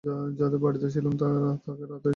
যাদের বাড়িতে ছিলাম, তাকে রাতে জিজ্ঞাসা করলাম